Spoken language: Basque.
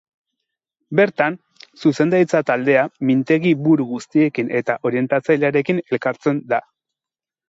Bertan, zuzendaritza taldea mintegi-buru guztiekin eta orientatzailearekin elkartzen da.